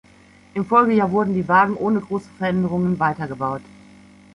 Im Folgejahr wurden die Wagen ohne große Veränderungen weitergebaut.